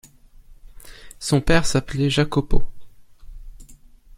Son père s'appelait Jacopo.